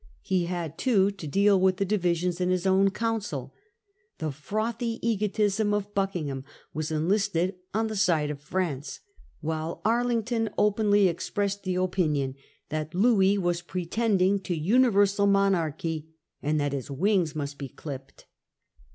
He had, too, to deal with the divisions in his own council. The frothy egotism of Buckingham was enlisted on the side of France ; while Arlington openly expressed the opinion that Louis was pretending to uni versal monarchy, and that his wings must be clipped.